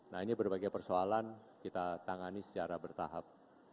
nah ini berbagai persoalan kita tangani secara bertahap